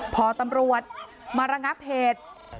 พอตำรวจมาระงับเหตุ